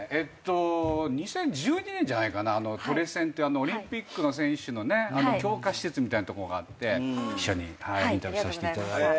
２０１２年じゃないかなトレセンっていうオリンピックの選手のね強化施設みたいなとこがあってインタビューさせていただいて。